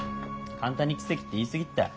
簡単に奇跡って言い過ぎったい。